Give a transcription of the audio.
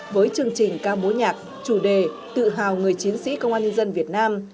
với chương trình ca bố nhạc chủ đề tự hào người chiến sĩ công an nhân dân việt nam